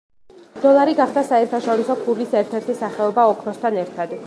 დოლარი გახდა საერთაშორისო ფულის ერთ-ერთი სახეობა, ოქროსთან ერთად.